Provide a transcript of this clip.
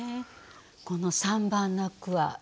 この３番の句は？